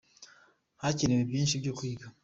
hakenewe byinshi byo kwiga.